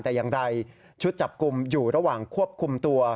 แต่อย่างใดชุดจับกลุ่มอยู่ระหว่างควบคุมตัว